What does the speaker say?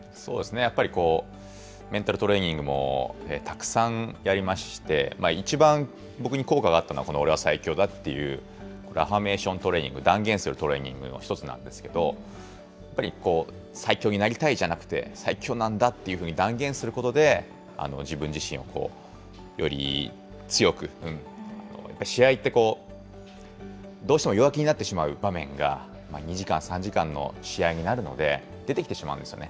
やっぱりメンタルトレーニングもたくさんやりまして、一番、僕に効果があったのが、この、おれは最強だっていうハンメーショントレーニング、断言するトレーニングの１つなんですけれども、やっぱり最強になりたいじゃなくて、最強なんだっていうふうに断言することで、自分自身をより強く、試合ってこう、どうしても弱気になってしまう場面が、２時間、３時間の試合になるので、出てきてしまうんですよね。